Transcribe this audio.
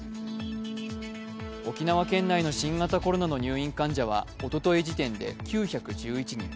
沖縄県内の新型コロナの入院患者はおととい時点で９１１人。